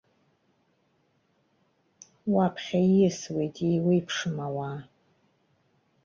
Уаԥхьа ииасуеит еиуеиԥшым ауаа.